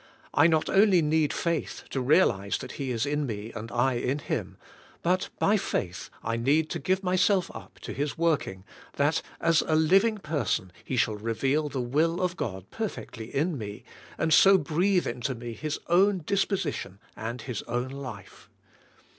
I not only need faith to realize that He is in me and I in Him, but by faith I need to give myself up to His working, that as a living person He shall reveal the will of God perfectly in me, and so breathe into me His own disposition and His own life.